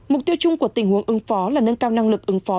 mục tiêu chung của tình huống ứng phó là nâng cao năng lực ứng phó